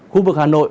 khu vực hà nội